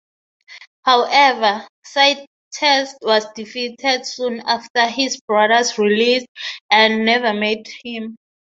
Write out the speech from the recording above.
However, Sidetes was defeated soon after his brother's release and never met him.